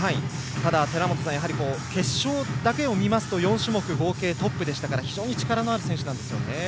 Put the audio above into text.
ただ、寺本さんやはり決勝だけを見ますと４種目合計トップでしたから非常に力のある選手なんですよね。